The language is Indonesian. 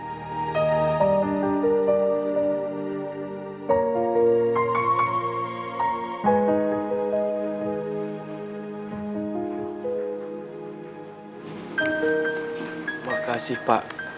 terima kasih pak